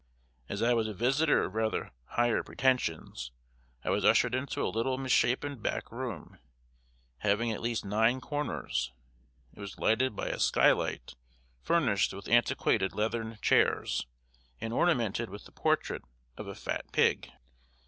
As I was a visitor of rather higher pretensions, I was ushered into a little misshapen back room, having at least nine corners. It was lighted by a sky light, furnished with antiquated leathern chairs, and ornamented with the portrait of a fat pig.